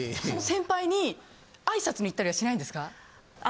その先輩に挨拶に行ったりはしないんですか？